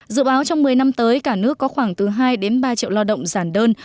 dự báo trong một mươi năm tới cả nước có khoảng từ hai ba triệu lao động giản đơn